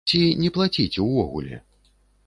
Ці не плаціць, увогуле?